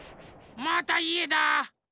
またいえだ！